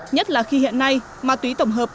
nhất là khi hiện nay ma túy tổng hợp